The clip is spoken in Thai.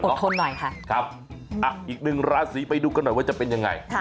ทนหน่อยค่ะครับอีกหนึ่งราศีไปดูกันหน่อยว่าจะเป็นยังไง